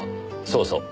そうそう。